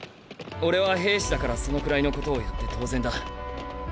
俺は兵士だからそのくらいのことをやって当然だ。